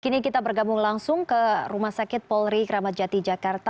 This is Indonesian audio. kini kita bergabung langsung ke rumah sakit polri kramat jati jakarta